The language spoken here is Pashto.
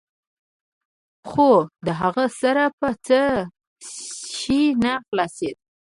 خو د هغه سر په څه شي نه خلاصېده.